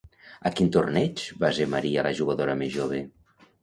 A quin torneig va ser Maria la jugadora més jove?